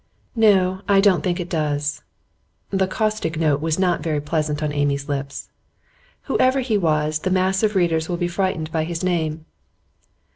'No, I don't think it does.' The caustic note was not very pleasant on Amy's lips. 'Whoever he was, the mass of readers will be frightened by his name.